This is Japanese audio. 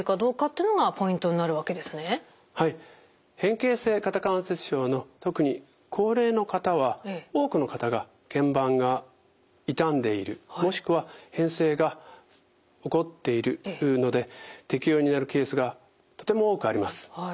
変形性肩関節症の特に高齢の方は多くの方がけん板が傷んでいるもしくは変性が起こっているので適用になるケースがとても多くあります。